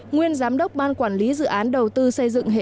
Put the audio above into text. nguyên giám đốc ban quản lý dự án đầu tư xây dựng